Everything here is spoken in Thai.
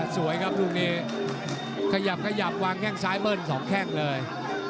สวยครับตรงนี้ขยับวางแค่งซ้ายเบิ้ล๒แค่งเลย